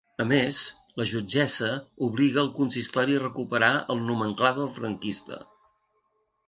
A més, la jutgessa obliga al consistori a recuperar el nomenclàtor franquista.